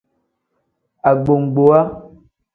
Agbogbowa.